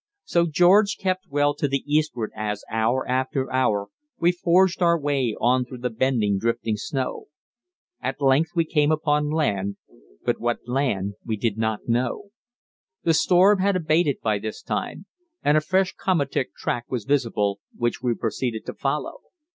So George kept well to the eastward as, hour after hour, we forged our way on through the bending, drifting snow. At length we came upon land, but what land we did not know. The storm had abated by this time, and a fresh komatik track was visible, which we proceeded to follow.